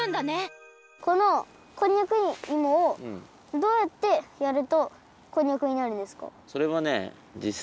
このこんにゃくいもをどうやってやるとこんにゃくになるんですか？